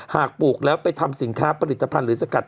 ปลูกแล้วไปทำสินค้าผลิตภัณฑ์หรือสกัด